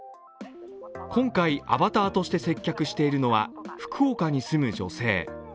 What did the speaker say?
今回アバターとして接客しているのは福岡に住む女性。